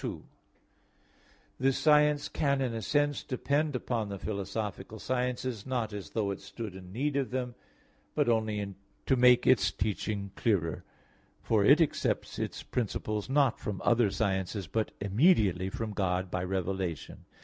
2: This science can in a sense depend upon the philosophical sciences, not as though it stood in need of them, but only in order to make its teaching clearer. For it accepts its principles not from other sciences, but immediately from God, by revelation.